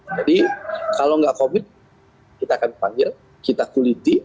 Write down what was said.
jadi kalau tidak covid kita akan dipanggil kita kuliti